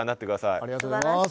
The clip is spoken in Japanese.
ありがとうございます。